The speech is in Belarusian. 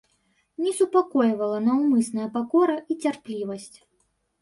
Не супакойвала наўмысная пакора і цярплівасць.